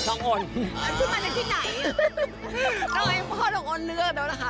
ต้องให้พ่อทองอ่อนเลือกแล้วนะคะ